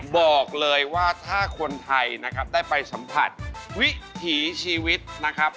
บอกเลยว่าถ้าคนไทยนะครับได้ไปสัมผัสวิถีชีวิตนะครับ